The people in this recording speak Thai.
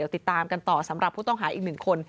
ติดตามกันต่อสำหรับผู้ต้องหาอีก๑คน